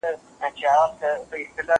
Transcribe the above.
زه اوږده وخت ليکنې کوم!!